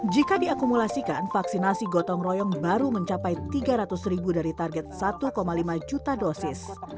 jika diakumulasikan vaksinasi gotong royong baru mencapai tiga ratus ribu dari target satu lima juta dosis